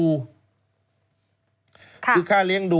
คุณนิวจดไว้หมื่นบาทต่อเดือนมีค่าเสี่ยงให้ด้วย